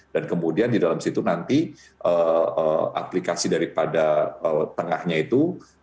dan kemudian di dalam situ nanti aplikasi daripada tengahnya itu